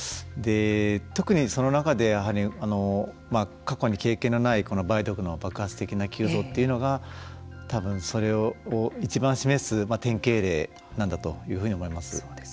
特にその中でやはり過去に経験のないこの梅毒の爆発的な急増というのが多分それをいちばん示す典型例なんだというふうに思います。